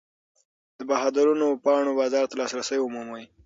د بهادرو پاڼو بازار ته لاسرسی ومومئ.